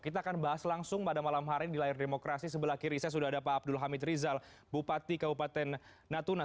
kita akan bahas langsung pada malam hari di layar demokrasi sebelah kiri saya sudah ada pak abdul hamid rizal bupati kabupaten natuna